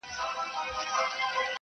درېغه که مي ژوندون وي څو شېبې لکه حُباب.